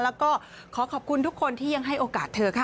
แล้วก็ขอขอบคุณทุกคนที่ยังให้โอกาสเธอค่ะ